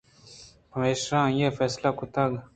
پمیشا آئیءَفیصلہ کُتگ